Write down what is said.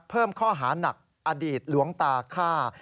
เพิ่มข้อหานักอดีตหลวงตาฆ่า